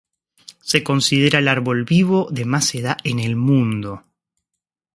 Se considera el árbol vivo de más edad en el mundo.